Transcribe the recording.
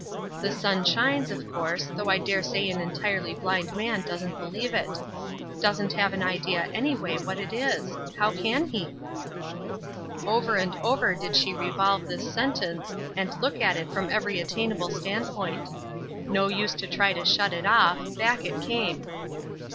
The sun shines, of course, though I dare say an entirely blind man doesn't believe it. Doesn't have an idea anyway what it is how can he?" Over and over did she revolve this sentence, and look at it from every attainable standpoint. No use to try to shut it off, back it came.